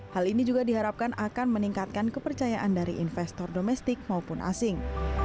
hal ini juga diharapkan akan meningkatkan kepercayaan dari investor domestik maupun asing